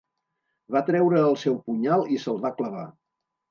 Va treure el seu punyal i se'l va clavar.